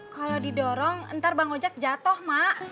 kalau didorong ntar bang ojak jatoh mak